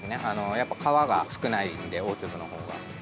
やっぱり皮が少ないので大粒のほうが。